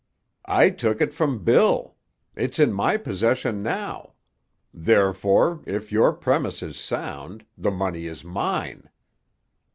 "I took it from Bill. It's in my possession now. Therefore, if your premise is sound, the money is mine.